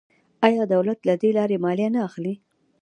آیا دولت له دې لارې مالیه نه اخلي؟